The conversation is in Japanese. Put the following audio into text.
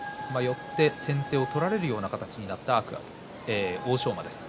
先手を取られるような形になった欧勝馬です。